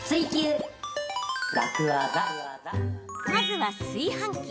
まずは炊飯器。